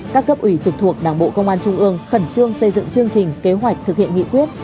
các cấp ủy trực thuộc đảng bộ công an trung ương khẩn trương xây dựng chương trình kế hoạch thực hiện nghị quyết